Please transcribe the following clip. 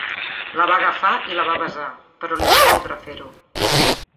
La va agafar i la va besar; però li va doldre fer-ho.